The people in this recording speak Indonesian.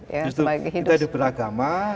justru kita hidup beragama